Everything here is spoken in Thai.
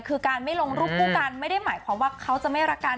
คือการไม่ลงรูปคู่กันไม่ได้หมายความว่าเขาจะไม่รักกัน